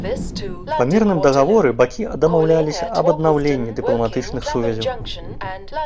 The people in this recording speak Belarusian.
Па мірным дагаворы бакі дамаўляліся аб аднаўленні дыпламатычных сувязяў.